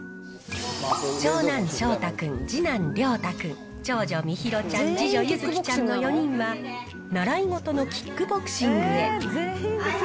長男、しょうた君、次男、りょうた君、長女、みひろちゃん、次女、ゆづきちゃんの４人は習い事のキックボクシングへ。